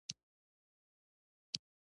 ما ورته وخندل: ته ډېره پاک زړه يې، زما په زړه یې.